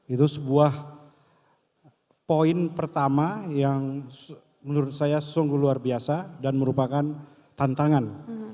itu sebuah poin pertama yang menurut saya sungguh luar biasa dan merupakan tantangan